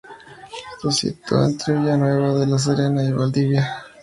Se sitúa entre Villanueva de la Serena y Valdivia.